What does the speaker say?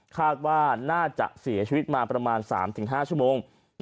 คาดว่าน่าจะเสียชีวิตมาประมาณ๓๕ชั่วโมง